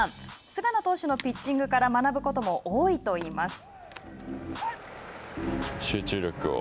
菅野投手のピッチングから学ぶことも多いといいます。